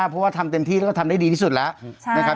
เพราะว่าทำเต็มที่แล้วก็ทำได้ดีที่สุดแล้วนะครับ